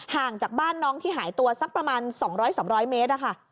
ห่างจากบ้านน้องที่หายตัวสักประมาณ๒๐๐๓๐๐เมตรนะคะ